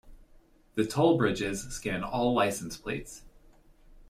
The toll bridges scan all license plates.